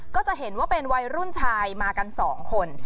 ก็จะเห็นว่าเป็นวัยรุ่นชายมากัน๒คน